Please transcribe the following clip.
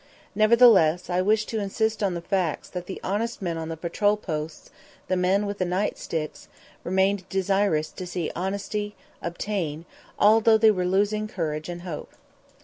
Nevertheless, I wish to insist on the fact that the honest men on the patrol posts, "the men with the night sticks," remained desirous to see honesty obtain, although they were losing courage and hope.